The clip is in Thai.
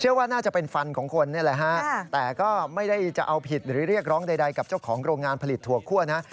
ว่าน่าจะเป็นฟันของคนนี่แหละฮะแต่ก็ไม่ได้จะเอาผิดหรือเรียกร้องใดกับเจ้าของโรงงานผลิตถั่วคั่วนะ